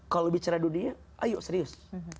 kalau bicara dunia ayo serius